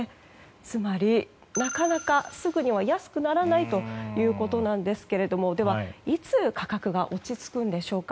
つまりなかなかすぐには安くならないということですがでは、いつ価格が落ち着くんでしょうか。